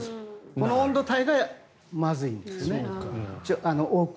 この温度帯がまずいんですね。